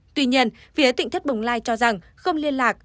tuy nhiên phía tỉnh thất bồng lai cho rằng không liên lạc